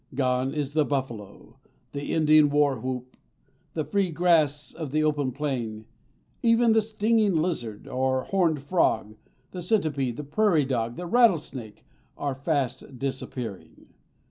Gone is the buffalo, the Indian warwhoop, the free grass of the open plain; even the stinging lizard, the horned frog, the centipede, the prairie dog, the rattlesnake, are fast disappearing.